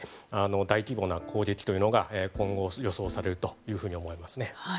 大規模な攻撃というのが今後予想されるというふうに思いますね。